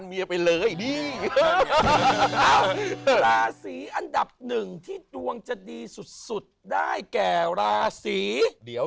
เอ้ยเพราะไหมเมื่อก่อนเข้าด่าไอ้อ้วนร้อยเมีย